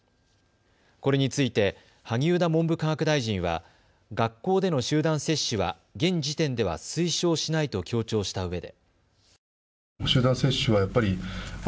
これについて萩生田文部科学大臣は学校での集団接種は現時点では推奨しないと強調したうえで。